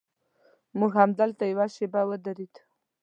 موږ همدلته یوه شېبه ودرېدو.